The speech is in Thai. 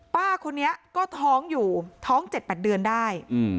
ป้าคนนี้ก็ท้องอยู่ท้อง๗๘เดือนได้